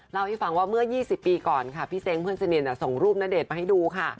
เล่าให้ฟังว่าเมื่อ๒๐ปีก่อนค่ะพี่เซ้งเพื่อนสนิทส่งรูปณเดชน์มาให้ดูค่ะ